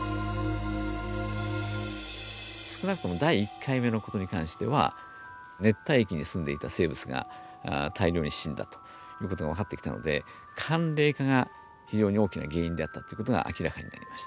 少なくとも第１回目のことに関しては熱帯域に住んでいた生物が大量に死んだということが分かってきたので寒冷化が非常に大きな原因であったということが明らかになりました。